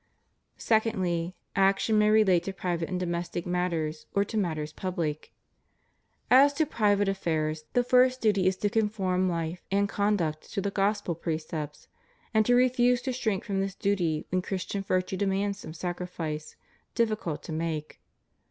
Secondly, action may relate to private and domestic matters, or to matters public. As to private affairs, the first duty is to conform life and conduct to the gospel precepts, and to refuse to shrink from this duty when Christian virtue demands some sacrifice difficult to make.